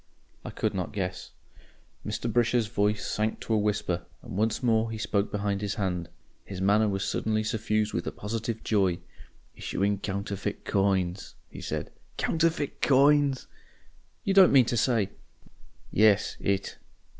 I could not guess. Mr. Brisher's voice sank to a whisper, and once more he spoke behind his hand. His manner was suddenly suffused with a positive joy. "Issuing counterfeit coins," he said. "Counterfeit coins!" "You don't mean to say ?" "Yes It.